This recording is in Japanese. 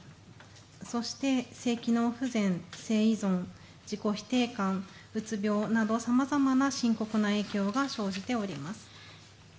そして、性機能不全、性依存自己否定感、うつ病などさまざまな深刻な影響が生じております。